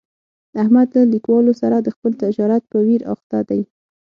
احمد له کلیوالو سره د خپل تجارت په ویر اخته دی.